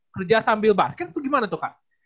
kerja sambil basket tuh gimana tuh kak